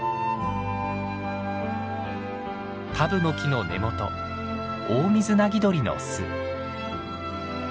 タブノキの根元オオミズナギドリの巣。